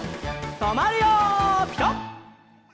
とまるよピタ！